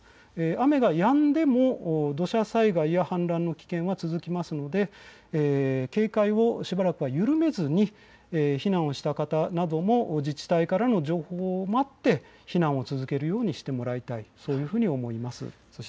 雨がやんでも土砂災害や氾濫の危険は続きますので警戒をしばらくは緩めずに避難をした方なども自治体からの情報を待って避難を続けるようにしてもらいたいと思います。